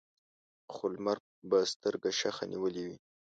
خو لمر به سترګه شخه نیولې وي.